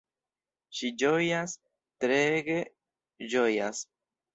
Ŝi ĝojas, treege ĝojas.